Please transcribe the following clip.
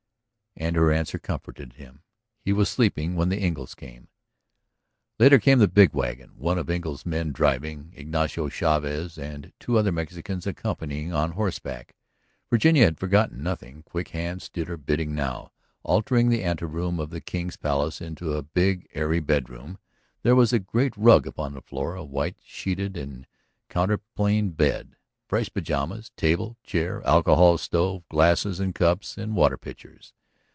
And her answer comforted him. He was sleeping when the Engles came. Later came the big wagon, one of Engle's men driving, Ignacio Chavez and two other Mexicans accompanying on horseback. Virginia had forgotten nothing. Quick hands did her bidding now, altering the anteroom of the King's Palace into a big airy bedroom. There was a great rug upon the floor, a white sheeted and counterpaned bed, fresh pajamas, table, chair, alcohol stove, glasses and cups and water pitchers.